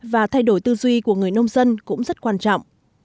và thay đổi tư duy của người nông dân cũng rất quan trọng